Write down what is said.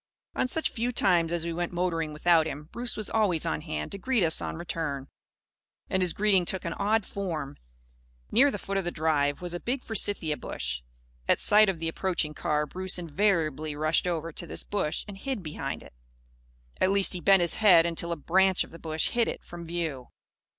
On such few times as we went motoring without him, Bruce was always on hand to greet us on our return. And his greeting took an odd form. Near the foot of the drive was a big Forsythia bush. At sight of the approaching car, Bruce invariably rushed over to this bush and hid behind it. At least he bent his head until a branch of the bush hid it from view.